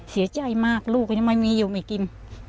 เสียใจมากก็พวกลูกงั้นไม่มีอยู่ไม่กิน